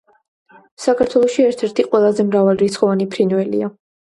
საქართველოში ერთ-ერთი ყველაზე მრავალრიცხოვანი ფრინველია.